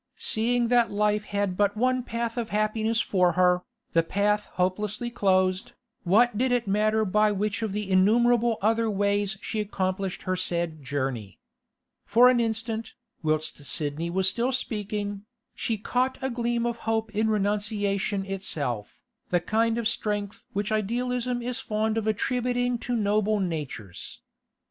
Seeing that life had but one path of happiness for her, the path hopelessly closed, what did it matter by which of the innumerable other ways she accomplished her sad journey? For an instant, whilst Sidney was still speaking, she caught a gleam of hope in renunciation itself, the kind of strength which idealism is fond of attributing to noble natures.